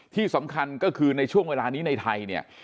ที่สำคัญก็คือในช่วงเวลานี้ในไทยเนี่ย